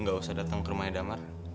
gak usah datang ke rumahnya damar